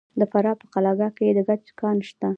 د فراه په قلعه کاه کې د ګچ کان شته.